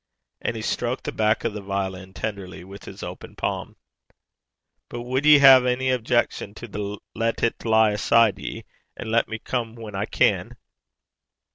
And he stroked the back of the violin tenderly with his open palm. 'But wad ye hae ony objection to lat it lie aside ye, and lat me come whan I can?'